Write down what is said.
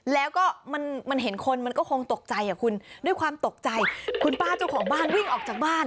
แล้วก็มันมันเห็นคนมันก็คงตกใจอ่ะคุณด้วยความตกใจคุณป้าเจ้าของบ้านวิ่งออกจากบ้าน